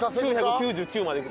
９９９まで行く。